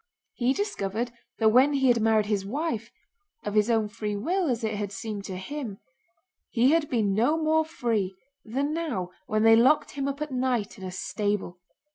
He discovered that when he had married his wife—of his own free will as it had seemed to him—he had been no more free than now when they locked him up at night in a stable.